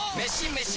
メシ！